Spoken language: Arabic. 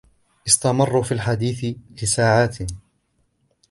استمروا في الحديث لساعات.